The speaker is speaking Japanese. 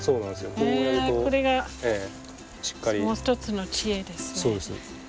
これがもう一つの知恵ですね。